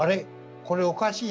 これおかしいな」と。